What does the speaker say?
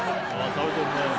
食べてるね。